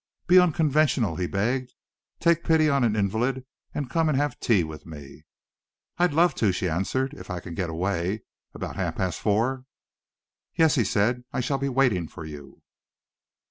"Be unconventional," he begged. "Take pity upon an invalid, and come and have tea with me." "I'd love to," she answered, "if I can get away. About half past four?" "Yes," said he. "I shall be waiting for you."